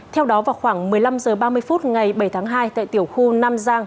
theo đó vào khoảng một mươi năm h ba mươi phút ngày bảy tháng hai tại tiểu khu nam giang